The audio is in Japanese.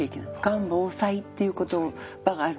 がん防災っていう言葉がある。